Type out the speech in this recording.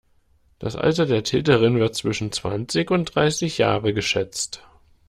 Das Alter der Täterin wird zwischen zwanzig und dreißig Jahre geschätzt.